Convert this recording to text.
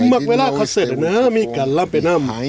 มักเวลาความเสร็จนะฮะมีการล่ำไปนั่ม